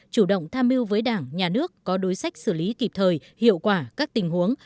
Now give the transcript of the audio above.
chủ động tham mưu với đảng nhà nước có đối sách xử lý kịp thời hiệu quả các tình huống